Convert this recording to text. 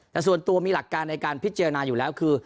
แต่ส่วนตัวมีหลักการในการพิจารณาอยู่แล้วคือ